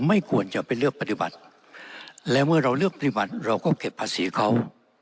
ไม่ควรจะไปเลือกปฏิบัติและเมื่อเราเลือกปฏิบัติเราก็เก็บภาษีเขา